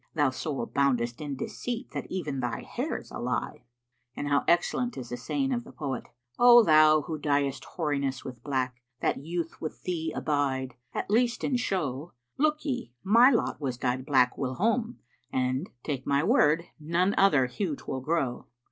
Thou so aboundest in deceit that even thy hair's a lie.' And how excellent is the saying of the poet, 'O thou who dyest hoariness with black, * That youth wi' thee abide, at least in show; Look ye, my lot was dyčd black whilome * And (take my word!) none other hue 'twill grow.'"